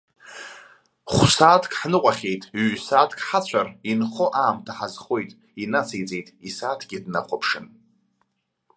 Хә-сааҭк ҳныҟәахьеит, ҩ-сааҭк ҳацәар, инхо аамҭа ҳазхоит, инациҵеит, исааҭгьы днахәаԥшын.